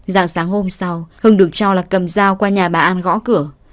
dạng sáng hôm sau hưng được cho là cầm dao qua nhà bà an gõ cửa